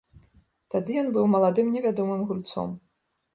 Тады ён быў маладым невядомым гульцом.